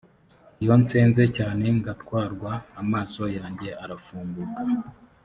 iyo nsenze cyane ngatwarwa, amaso yanjye arafunguka.